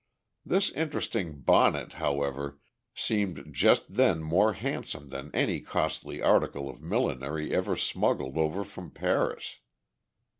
This interesting "bonnet," however, seemed just then more handsome than any costly article of millinery ever smuggled over from Paris.